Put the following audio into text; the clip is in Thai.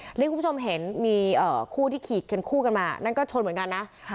อย่างที่คุณผู้ชมเห็นมีคู่ที่ขี่กันคู่กันมานั่นก็ชนเหมือนกันนะ